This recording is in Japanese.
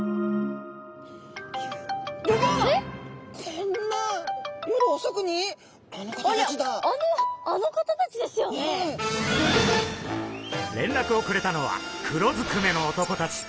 れんらくをくれたのは黒ずくめの男たち。